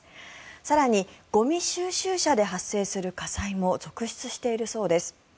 更に、ゴミ収集車で発生する火災も続出しているそうです。